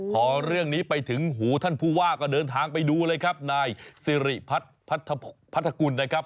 พอเรื่องนี้ไปถึงหูท่านผู้ว่าก็เดินทางไปดูเลยครับนายสิริพัฒน์พัทธกุลนะครับ